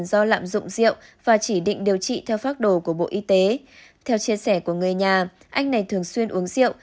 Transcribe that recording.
do lạm dụng rượu và chỉ định điều trị theo phác đồ của bộ y tế theo chia sẻ của người nhà anh này thường xuyên uống rượu